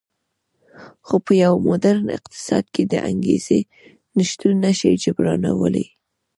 خو په یو موډرن اقتصاد کې د انګېزې نشتون نه شي جبرانولی